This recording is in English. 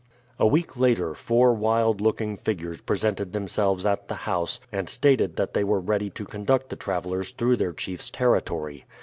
A week later four wild looking figures presented themselves at the house and stated that they were ready to conduct the travelers through their chief's territory.